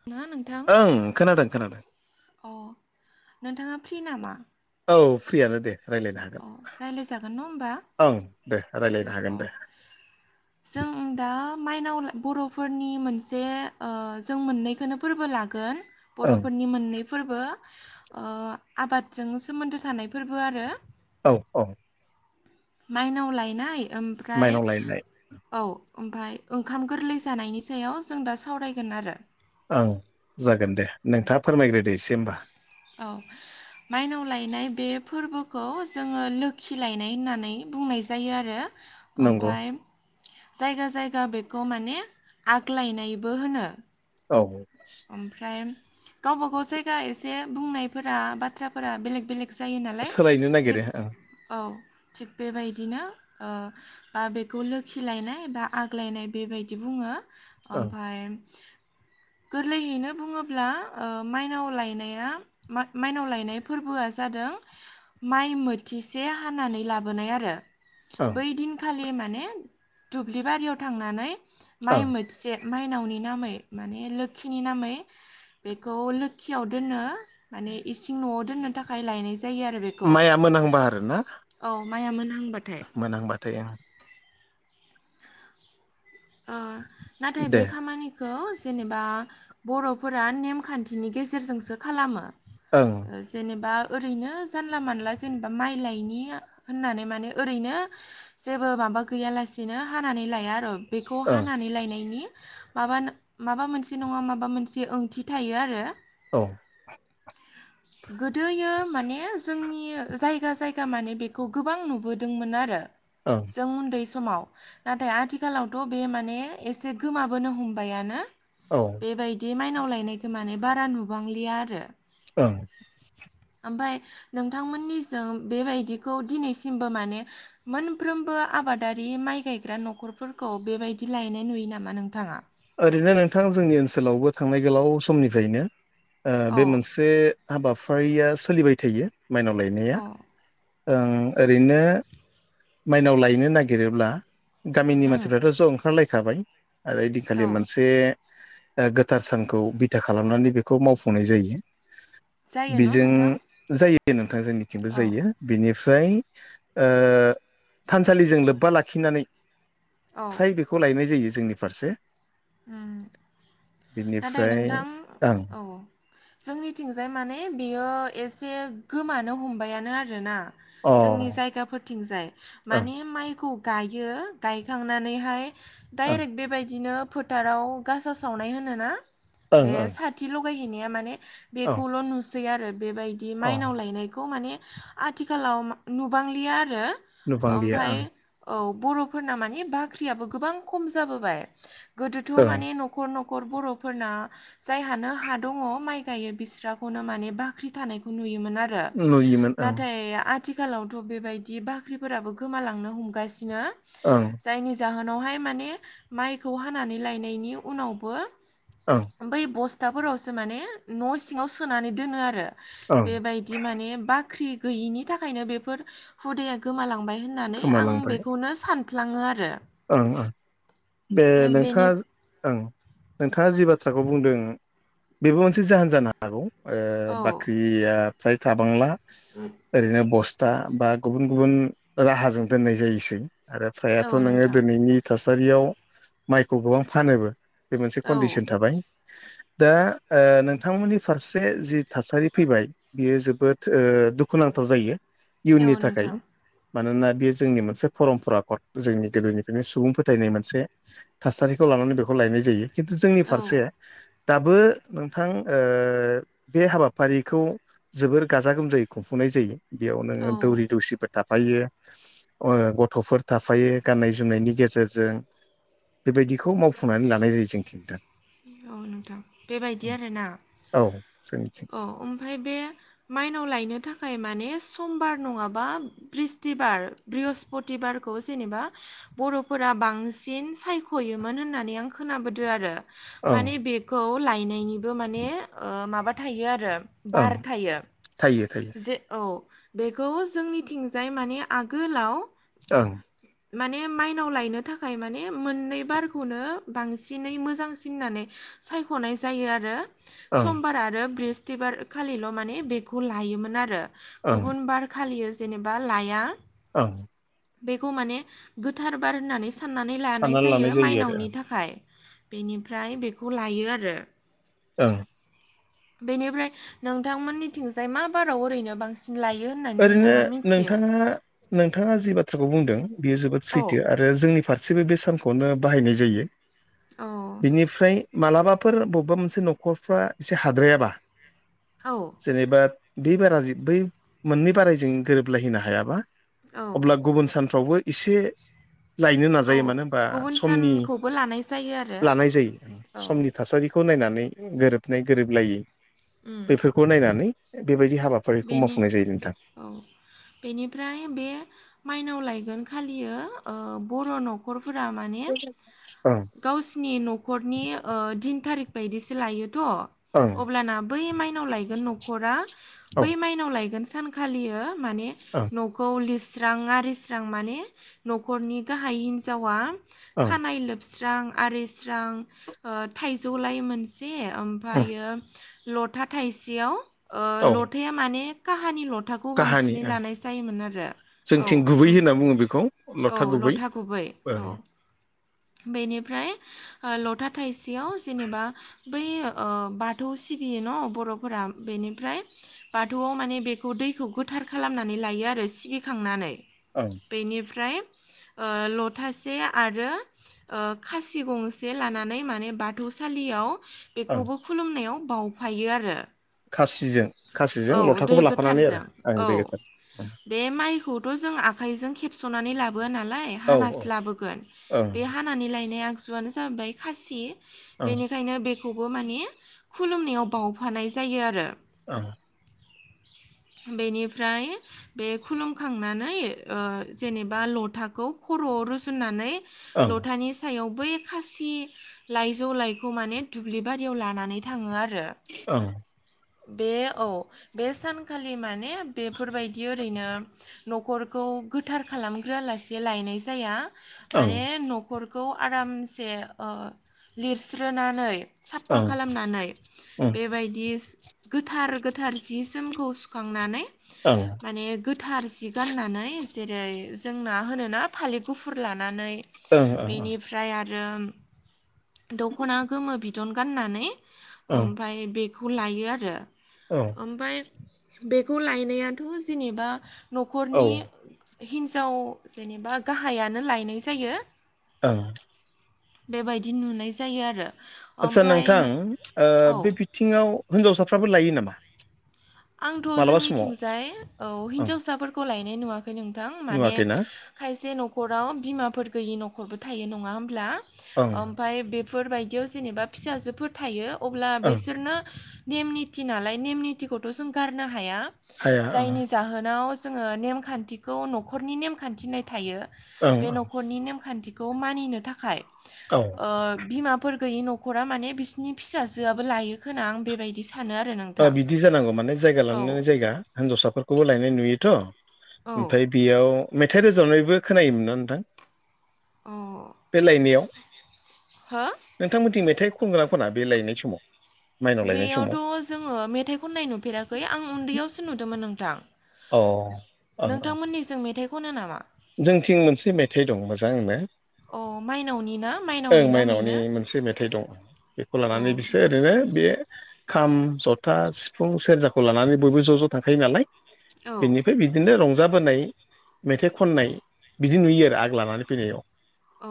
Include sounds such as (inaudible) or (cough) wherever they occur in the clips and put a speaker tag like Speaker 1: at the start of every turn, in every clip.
Speaker 1: ए
Speaker 2: ओं खोनादों खोनादों।
Speaker 1: अ नोंथाङा फ्रि नामा?
Speaker 2: औ फ्रियानो दे। रायलायनो हागोन।
Speaker 1: अ रायज्लायजागोन न' होमबा
Speaker 2: औ दे रायज्लायनो हागोन दे
Speaker 1: जों दाम माइनाव (unintelligible) बर'फोरनि मोनसे ओ जों मोननैखोनो फोरबो लागोन।
Speaker 2: ओं
Speaker 1: बर'फोरनि मोननै फोरबो ओ आबादजों सोमोन्दो थानायफोरबो आरो
Speaker 2: औ -औ।
Speaker 1: मायनाव लायनाय ओमफ्राय
Speaker 2: माइनाव लायनाय
Speaker 1: औ ओमफाय ओंखाम गोरलै जानायनि सायाव जों दा सावरायगोन आरो
Speaker 2: ओं जागोन दे नोंथाङा फोरमायग्रो
Speaker 1: औ माइनाव लायनाय बे फोरबोखौ जोङो लोखि लायनाय होननानै बुंनाय जायो आरो
Speaker 2: नंगौ
Speaker 1: ओमफाय जायगा जायगा बेखौ माने आगलायनायबो होनो।
Speaker 2: औ
Speaker 1: ओमफ्राय गावबा गाव जायगा एसे बुंनायफोरा बाथ्राफोरा बेलेक बेलेक जायो नालाय
Speaker 2: सोलायनो नागिरो
Speaker 1: थिक
Speaker 2: ओं
Speaker 1: औ थिग बेबायदिनो ओ, बा बेखौ लोखिलायनाय बा आग्लायनाय बेबायदि बुङो।
Speaker 2: ओं
Speaker 1: ओमफाय गोरलैयैनो बुङोब्ला ओ माइनाव लायनाया मा-माइनाव लायनाय फोरबोआ जा जादों माइ मोथिसे हानानै लाबोनाय आरो।
Speaker 2: ओं
Speaker 1: बै दिनखालि माने दुब्लि बारियाव थांनानै माइ
Speaker 2: ओं
Speaker 1: मोथिसे माइनावनि नामै माने लोखिनि नामै बेखौ लोखियाव दोननो माने इसिं न'आव दोननो थाखाय लायनाय जा
Speaker 2: माइआ मोनहांबा आरो ना?
Speaker 1: औ माइया मोनहांबाथाय
Speaker 2: मोनहांबाथाय ओं।
Speaker 1: ओह नाथाय
Speaker 2: दे
Speaker 1: बे खामानिखौ जेनेबा बर'फोरा नेमखान्थिनि गेजेरजोंसो खालामो
Speaker 2: ओं
Speaker 1: जेनेबा ओरैनो जानला मानला जेनेबा माइ लायनि होननानै माने ओरैनो जेबो माबा बा गैयालासेनो हानानै लाया आरो बेखौ
Speaker 2: ओं
Speaker 1: हानानै लायनायनि माबा, माबा मोनसे नङा माबा मोनसे ओंथि थायो आरो
Speaker 2: औ।
Speaker 1: (inaudible) गोदोयो माने जोंनि जायगा जायगा माने बेखौ गोबां नुबोदोंमोन आरो।
Speaker 2: ओं
Speaker 1: जों उन्दै समाव नाथाय आथिखालाव थ' बे माने एसे गोमाबोनो हमबायानो
Speaker 2: औ
Speaker 1: बेबायदि माइ नाव लायनायखो माने बारा नुबांलिया आरो।
Speaker 2: ओं।
Speaker 1: ओमफाय नोंथांमोननिजों बेबायदिखौ दिनैसिमबो माने मोनफ्रोमबो आबा दारि माइ गायग्रा न'खरफोरखौ बेबायदि लायनाय नुयो नामा नोंथाङा?
Speaker 2: ओरैनो नोंथां जोंनि ओनसोलावबो थांनाय गोलाव समनिफ्रायनो ओह
Speaker 1: औ
Speaker 2: बे मोनसे हाबाफारिया सोलिबाय थायो माइनाव लायनाया।
Speaker 1: औ
Speaker 2: ओं ओरैनो माइनाव लायनो नागिरोब्ला गामिनि
Speaker 1: उम
Speaker 2: मानसिफ्राथ' ज' ओंखारलायखाबाय आरो ओइदिनखालि
Speaker 1: औ
Speaker 2: मोनसे ओह गोथार सानखौ बिथा खालामनानै बेखौ मावफुंनाय जायो।
Speaker 1: जायो न'
Speaker 2: बेजों
Speaker 1: नोंथां?
Speaker 2: जायो नोंथां जोंनिथिंबो
Speaker 1: औ
Speaker 2: जायो बेनि फ्राय ओ थानसालिजों लोब्बा लाखिनानै
Speaker 1: औ
Speaker 2: फ्राय बेखौ लायनाय जायो जोंनि फारसे।
Speaker 1: नाथाय
Speaker 2: बिनिफ्राय
Speaker 1: नोंथां
Speaker 2: ओं
Speaker 1: औ। जोंनिथिंजाय माने बेयो एसे गोमानो हमबायानो आरोना। जोंनि
Speaker 2: अ
Speaker 1: जायगाफोरथिंजाय
Speaker 2: ओं
Speaker 1: माने माइखौ गायो गायखांनानैहाय
Speaker 2: ओं
Speaker 1: डाइरेक्ट बेबायदिनो थाराव गासा सावनाय होनोना
Speaker 2: ओं
Speaker 1: बे
Speaker 2: ओं
Speaker 1: साथि लगायहैनाया माने
Speaker 2: औ
Speaker 1: बेखौल' नुसै आरो बेबायदि
Speaker 2: औ
Speaker 1: माइनाव लायनायखौ माने आथिखालाव नुबांलिया आरो
Speaker 2: नुबांलिया
Speaker 1: ओमफाय
Speaker 2: ओं
Speaker 1: औ। बर'फोरना माने बाख्रियाबो गोबां खम जाबोबाय गोदोथ'
Speaker 2: ओं
Speaker 1: माने न'खर न'ख खर बर'फोरना जायहानो हा दङ माइ गायो बिस्राखौनो माने बाख्रि थानायखौ नुयो मोन आरो
Speaker 2: नुयोमोन ओं
Speaker 1: नाथाय आ थिखालावथ' बेबायदि बाख्रिफोराबो गोमालांनो हमगासिनो
Speaker 2: ओं
Speaker 1: जायनि जाहोन नावहाय माने माइखौ हानानै लायनायनि उनावबो
Speaker 2: ओं
Speaker 1: बै बस थाफोरावसो माने न' सिङाव सोनानै दोनो आरो
Speaker 2: ओं
Speaker 1: बेबायदि माने बा ख्रि गैयिनि थाखायनो बेफोर हुदाया गोमालांबाय होननानै आं
Speaker 2: गोमालांबाय
Speaker 1: बेखौनो सान फ्लाङो आरो।
Speaker 2: ओं ओं बे
Speaker 1: बेनि
Speaker 2: नोंथाङा ओं नोंथाङा जि बाथ थ्राखौ बुंदों बेबो मोनसे जाहोन जानो हागौ। ओ
Speaker 1: औ
Speaker 2: बाख्रिया फ्राय थाबांला ओरैनो बस था बा गुबुन गुबुन राहाजों दोननाय जायोसै। आरो
Speaker 1: औ
Speaker 2: फ्रायाथ' नोङो
Speaker 1: नोंथां
Speaker 2: नि थासारियाव माइखौ गोबां फानोबो बे मोनसे
Speaker 1: औ
Speaker 2: कन्डिसन थाबाय।
Speaker 1: (inaudible)
Speaker 2: दा ओ नोंथांमोननि फारसे जि थासारि फैबाय बियो जोबोद ओ दुखुनां थाव जायो।
Speaker 1: औ
Speaker 2: इयुननि थाखाय
Speaker 1: नोंथां
Speaker 2: मानोना बेयो जोंनि मोनसे परमपरा कड जोंनि गोदोनिफ्राय बिनि सुबुं फोथायनाय मोनसे थासारिखौ लानानै बेखौ लायनाय जायो। खिन्थु जोंनि
Speaker 1: औ
Speaker 2: फारसे दाबो नोंथां ओ बे हाबाफारिखौ जोबोर गाजा गोमजायै खुंफुंनाय जायो। बेयाव
Speaker 1: औ
Speaker 2: नोङो दौरि दौसिफोर थाफायो। ओ गथ'फोर थाफायो गाननाय जो जोमनायनि गेजेरजों बेबायदिखौ मावफुंनानै लानाय जायो जोंथि नोंथां।
Speaker 1: औ नोंथां बेबायदि आरोना?
Speaker 2: औ जोंनिथिं
Speaker 1: औ ओमफाय बे माइनाव लायनो थाखाय माने समबार नङाबा ब्रिस्तिबार ब्रिअ'हस्पतिबारखौ जेनेबा बर'फोरा बांसिन सायख'योमोन होननानै आं खोनाबोदो आरो।
Speaker 2: ओं
Speaker 1: माने बेखौ लायनायनिबो माने ओ माबा थायो आरो।
Speaker 2: ओं
Speaker 1: बार थायो।
Speaker 2: थायो थायो
Speaker 1: जे ओ औ बेखौ जोंनिथिंजाय माने आगोलाव
Speaker 2: ओं
Speaker 1: माने माइनाव लायनो थाखाय माने मोननै बारखौनो बांसिनै मोजांसिन होननानै सायख'नाय जायो आरो।
Speaker 2: ओं
Speaker 1: समबार आरो बृस्थिबार खालिल' माने बेखौ लायोमोन आरो।
Speaker 2: ओं
Speaker 1: गुबुन बार खालियो जेनेबा लाया।
Speaker 2: ओं
Speaker 1: बेखौ माने गोथार बार होननानै साननानै लानाय जायो माइनावनि थाखाय। बेनिफ्राय बेखौ लायो आरो।
Speaker 2: ओं
Speaker 1: बेनिफ्राय नोंथांमोननिथिंजाय मा बाराव ओरैनो बांसि
Speaker 2: ओरैनो नोंथाङा नोंथाङा जि बाथ्राखौ बुंदों बियो जोबोद
Speaker 1: औ
Speaker 2: सैथो आरो जोंनि फार सिबो बे सानखौनो बाहायनाय जायो।
Speaker 1: औ
Speaker 2: बिनिफ्राय मालाबाफोर बबेबा मोनसे न'खरफ्रा एसे हाद्रायाबा
Speaker 1: औ
Speaker 2: जेनेबा बे बारा जे बै मोननै बाराय जों गोरोबलायहैनो हायाबा।
Speaker 1: औ
Speaker 2: अब्ला गुबुन सान फावबो एसे लायनो नाजायो
Speaker 1: औ
Speaker 2: मानो होनबा
Speaker 1: गुबुन
Speaker 2: समनि
Speaker 1: सानखौबो लानाय जायो आरो
Speaker 2: लानाय जायो।
Speaker 1: औ
Speaker 2: समनि थासारि खौ नायनानै गोरोबनाय गोरोबलायै
Speaker 1: उम
Speaker 2: बेफोरखौ नायनानै। बेबायदि हाबाफारिखौ मावफु
Speaker 1: बेनि औ बेनिफ्राय बे माइनाव लायगोन खालियो ओ बर' नख'र फोरा माने
Speaker 2: ओं
Speaker 1: गावसिनि न'खरनि ओ दिन थारिख बायदिसो लायो
Speaker 2: ओं
Speaker 1: थ' अब्लाना बै माइनाव लायगोन न'खरा
Speaker 2: औ
Speaker 1: बै माइनाव लायगोन सो सानखालियो माने
Speaker 2: ओं
Speaker 1: न'खौ लिसो स्रां आरि स्रां माने न'खरनि गाहाय हिन्जावा
Speaker 2: ओं
Speaker 1: खानाय लोबस स्रां आरिस्रां ओ थाइजौलाय मोनसे
Speaker 2: ओं
Speaker 1: ओमफायो लथा थाइसेयाव
Speaker 2: औ
Speaker 1: बे माने काहानि लथाखौ
Speaker 2: काहानि
Speaker 1: बांसिनै
Speaker 2: ओं
Speaker 1: लानाय जायोमोन आरो औ
Speaker 2: जोंथिं गुबै
Speaker 1: ओम
Speaker 2: होनना बुङो बेखौ
Speaker 1: औ लथा गुबै औ।
Speaker 2: ओं
Speaker 1: बेनिफ्राय लथा थाइसेयाव जेनेबा बै ओ बाथौ सि बियो न बर'फोरा बेनिफ्राय बाथौआव माने बेखौ दैखौ गोथार खालामनानै लायो आ रो सिबिखांनानै
Speaker 2: ओं
Speaker 1: बेनिफ्राय ओ लथासे आरो ओ खासि गंसे लानानै माने बाथौसालियाव
Speaker 2: ओं
Speaker 1: बेखौबो खुलुमनायाव बावफायो आरो।
Speaker 2: खासिजों खासिजों
Speaker 1: औ दै
Speaker 2: लथाखौबो लाफानानै आरो
Speaker 1: गोथारजों
Speaker 2: आं
Speaker 1: औ
Speaker 2: दै गोथार
Speaker 1: बे माइखौथ' जोङा आखाइजों खेबस'नानै लाबोआ नालाय
Speaker 2: औ औ
Speaker 1: हानासो लाबोगोन
Speaker 2: ओं
Speaker 1: बे हानानै लायनाया जुआनो जाबाय खासि
Speaker 2: ओं
Speaker 1: बेनिखायनो बे खौबो माने खुलुमनायाव बावफानाय जायो आरो।
Speaker 2: ओ।
Speaker 1: (inaudible) बेनिफ्राय बे खुलुमखांनानै ओ जेनेबा लथाखौ ख र'आव रुजुननानै
Speaker 2: ओं
Speaker 1: लथानि सायाव बै खासि लाइजौ लाइखौ माने दुब्लि बारियाव लानानै थाङो आरो।
Speaker 2: औ।
Speaker 1: बे औ बे सानखालि माने बेफोरबायदि ओरैनो न'खरखौ गोथार खालामग्रोआ लासे लायनाय जाया।
Speaker 2: ओं
Speaker 1: माने न'खरखौ आरामसे ओ लिरस्रोनानै साफा
Speaker 2: ओं
Speaker 1: खालामनानै
Speaker 2: ओं
Speaker 1: बेबायदि गोथार गोथार जि जोमखौ सुखांनानै
Speaker 2: ओं
Speaker 1: माने गोथार जि गाननानै जेरै जोंना होनोना फालि गुफुर लानानै
Speaker 2: ओं
Speaker 1: बेनिफ्राय आरो दखना गोमो बिदन गाननानै
Speaker 2: ओं
Speaker 1: ओमफाय बेखौ लायो आरो
Speaker 2: ओं औ
Speaker 1: ओमफाय बेखौ लायनायाथ' जेनेबा
Speaker 2: औ
Speaker 1: न'खरनि हिन्जाव जेनेबा गाहायानो लायनाय जायो।
Speaker 2: ओ।
Speaker 1: बेबायदि नुनाय जायो आरो।
Speaker 2: आचसा
Speaker 1: ओमफाय
Speaker 2: नोंथां ओ
Speaker 1: औ
Speaker 2: बे बिथिङाव हिनजावसाफ्राबो लायो नामा?
Speaker 1: आंथ'
Speaker 2: मालाबा समाव
Speaker 1: जोंनिथिंजाय औ
Speaker 2: ओं
Speaker 1: हिन्जावसाफोरखौ लायनाय नुवा खै नोंथां माने
Speaker 2: नुवाखैना
Speaker 1: खायसे न'खराव बिमाफोर गैयि न'खरबो थायो नङा होमब्ला?
Speaker 2: ओं
Speaker 1: ओमफाय बेफोरबायदियाव जेनेबा फिसाजोफोर थायो अब्ला
Speaker 2: ओं
Speaker 1: बिसोरनो नेम निथि नालाय नेम नेथिखौथ' जों गारनो हाया
Speaker 2: हाया ओं
Speaker 1: जायनि जाहोनाव जोङो नेमखान्थिखौ न'खरनि नेमखान्थिनाय थायो। बे
Speaker 2: ओं
Speaker 1: न'खरनि नेमखान्थिखौ मानिनो थाखाय
Speaker 2: ओं
Speaker 1: ओ बिमा फोर गैयि न'खरा माने बिसिनि फिसाजोआबो लायो खोना आं बेबायदिसो
Speaker 2: ओ बिदि जानांगौ माने जायगा
Speaker 1: औ
Speaker 2: लांनानै जायगा हिनजावसाफोरखौबो लायनाय नुयोथ'।
Speaker 1: औ
Speaker 2: ओमफ्राय बेयाव मेथाइ रोजाबनायबो खोनायोमोन ना नोंथां?
Speaker 1: औ
Speaker 2: बे लायनायाव
Speaker 1: हो
Speaker 2: नोंथांमोनथिंबाय थाइ खनग्रा फोरा बे लायनाय समाव माइनाव लायनाय समाव।
Speaker 1: बेयावथ' जोङो मेथाइ खन्नाय नुफेराखै आं उन्दैयावसो नुदोंमोन नोंथां।
Speaker 2: अ ओं ओं
Speaker 1: नोंथांमोननि जों मेथाइ खनो नामा?
Speaker 2: जोंथिं मोनसे मेथाइ दं मोजांनो।
Speaker 1: अ माइनावनि ना
Speaker 2: ओं माइनावनि
Speaker 1: नामैनो
Speaker 2: मोनसे मेथाइ दं बेखौ
Speaker 1: औ
Speaker 2: लानानै बिसोर ओरैनो बे खाम जथा सिफुं सेरजाखौ लानानै बयबो ज' ज' थांखायो नालाय।
Speaker 1: औ
Speaker 2: बेनिफ्राय बिदिनो रंजाबोनाय मेथाइ खननाय बिदि नुयो आरो आग लानानै फैनायाव।
Speaker 1: औ।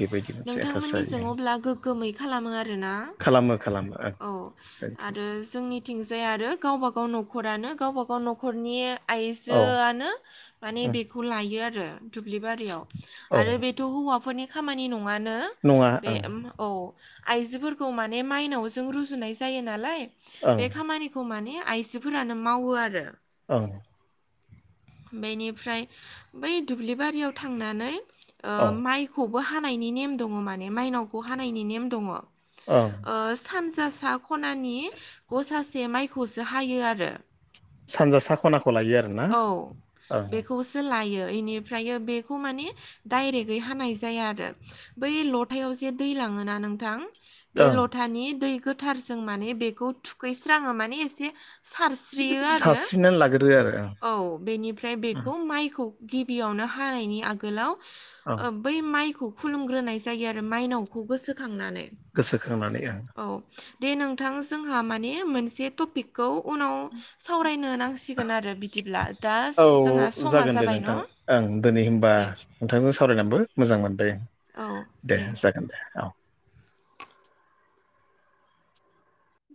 Speaker 2: बेबायदि मोनसे थासारि
Speaker 1: नोंथांमोननिजों अब्ला गोग्गोमै खालामो आरो ना?
Speaker 2: खालामो खालामो ओं
Speaker 1: औ
Speaker 2: जोंथिं
Speaker 1: आरो जोंनिथिंजाय आरो गावबागाव न'खरानो गावबा गाव न'खरनि
Speaker 2: औ
Speaker 1: आइजोआनो माने
Speaker 2: उम
Speaker 1: बेखौ लायो आरो दुब दुब्लि बारियाव
Speaker 2: औ
Speaker 1: आरो बेथ' हौवाफोरनि खामानि नङानो
Speaker 2: नङा
Speaker 1: बे
Speaker 2: ओं
Speaker 1: औ आइजोफोरखौ माने माइनाव जों रुजुनाय जायो नालाय बे
Speaker 2: ओं
Speaker 1: खामानिखौ माने आइजोफोरानो मावो आरो
Speaker 2: औ।
Speaker 1: बेनिफ्राय बै दुब्लिबारियाव थांनानै ओ
Speaker 2: औ
Speaker 1: माइखौबो हानायनि नेम दङ माने माइनावखौ हानायनि नेम दङ
Speaker 2: ओं।
Speaker 1: सानजासा खनानि गसासे माइखौसो हायो आरो
Speaker 2: सानजा सा खनाखौ लायो आरोना
Speaker 1: औ
Speaker 2: ओं
Speaker 1: बेखौसो लायो बेनिफ्राय बेखौ मानिे डाइरेक्टै हानाय जाया आरो बै लथायाव जे दैला थङोना नोंथां बे
Speaker 2: ओं
Speaker 1: लथानि दै गोथारजों माने बेखौ थुखैस्राङो माने एसे सारस्रियो आरो
Speaker 2: सास्रिनानै लाग्रो आरो
Speaker 1: औ बेनिफ्राय
Speaker 2: ओं
Speaker 1: बेखौ माइखौ गिबियावनो हानायनि आगोलाव
Speaker 2: ओं
Speaker 1: ओ बै माइ खुलुमग्रोनाय जायो आरो माइनावखौ गोसोखांनानै
Speaker 2: गोसोखांनानै ओं।
Speaker 1: औ दे नोंथां जोंहा माने मोनसे टपिकखौ उनाव सावराय बुंनो नांसिगोन आरो बिदिब्ला दा
Speaker 2: औ
Speaker 1: जोंहा समा
Speaker 2: जागोन दे
Speaker 1: जाबाय न'
Speaker 2: नोंथां ओं दिनै होमबा
Speaker 1: दे।
Speaker 2: नोंथांजों सावरायनानैबो मोजां मोनदों।
Speaker 1: औ दे।
Speaker 2: औ।